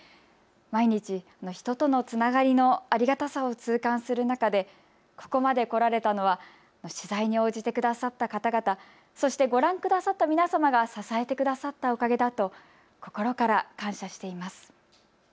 毎日、人とのつながりのありがたさを痛感する中で、ここまで来られたのは取材に応じてくださった方々、そしてご覧くださった皆様が支えてくださったおかげだと心から感謝しております。